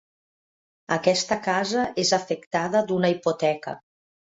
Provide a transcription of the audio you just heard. Aquesta casa és afectada d'una hipoteca.